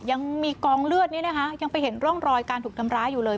ยังมีกองเลือดนี่นะคะยังไปเห็นร่องรอยการถูกทำร้ายอยู่เลย